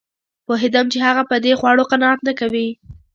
پوهېدم چې هغه په دې خوړو قناعت نه کوي